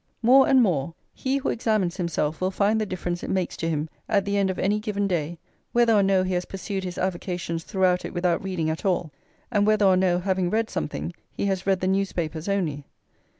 More and more he who examines himself will find the difference it makes to him, at the end of any given day, whether or no he has pursued his avocations throughout it without reading at all; and whether or no, having read something, he has read the newspapers only.